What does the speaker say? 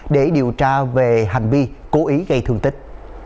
để điều tra về hành vi cố ý gây thương tích